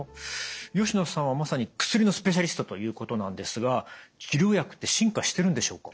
吉野さんはまさに薬のスペシャリストということなんですが治療薬って進化してるんでしょうか？